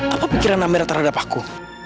apa pikiran amera terhadap aku